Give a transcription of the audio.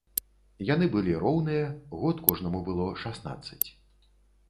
Яны былі роўныя, год кожнаму было шаснаццаць.